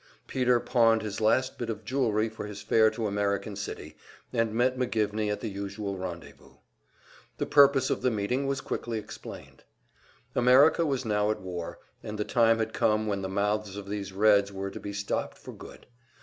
Peter pawned his last bit of jewelry for his fare to American City, and met McGivney at the usual rendezvous. The purpose of the meeting was quickly explained. America was now at war, and the time had come when the mouths of these Reds were to be stopped for good.